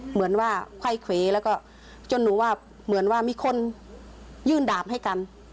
เหมือนว่าไข้เขวแล้วก็จนหนูว่าเหมือนว่ามีคนยื่นดาบให้กัน